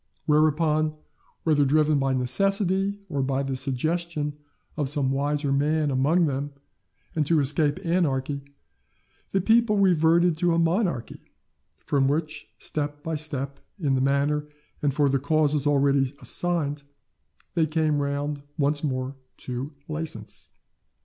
Whereupon, whether driven by necessity, or on the suggestion of some wiser man among them and to escape anarchy, the people reverted to a monarchy, from which, step by step, in the manner and for the causes already assigned, they came round once more to license.